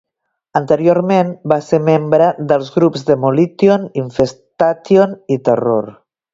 Anteriorment, va ser membre dels grups Demolition, Infestation i Terror.